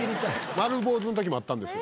丸坊主の時もあったんですよ。